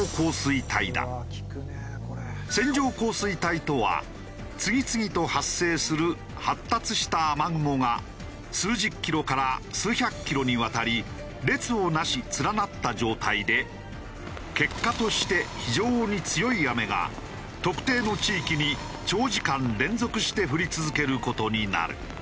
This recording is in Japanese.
線状降水帯とは次々と発生する発達した雨雲が数十キロから数百キロにわたり列を成し連なった状態で結果として非常に強い雨が特定の地域に長時間連続して降り続ける事になる。